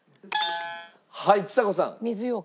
はいちさ子さん。